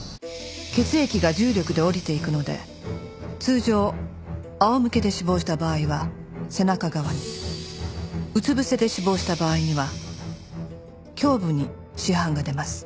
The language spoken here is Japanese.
血液が重力で下りていくので通常仰向けで死亡した場合は背中側にうつぶせで死亡した場合には胸部に死斑が出ます。